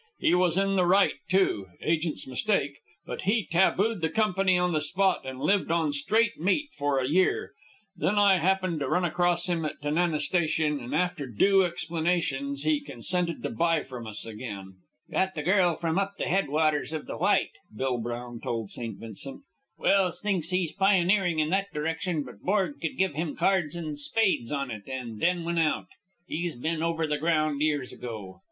He was in the right, too, agent's mistake, but he tabooed the Company on the spot and lived on straight meat for a year. Then I happened to run across him at Tanana Station, and after due explanations he consented to buy from us again." "Got the girl from up the head waters of the White," Bill Brown told St. Vincent. "Welse thinks he's pioneering in that direction, but Borg could give him cards and spades on it and then win out. He's been over the ground years ago.